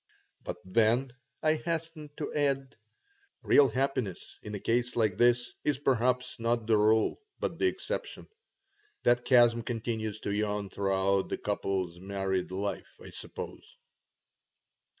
"But then," I hastened to add, "real happiness in a case like this is perhaps not the rule, but the exception. That chasm continues to yawn throughout the couple's married life, I suppose."